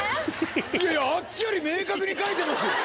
いやいやあっちより明確に書いてますよ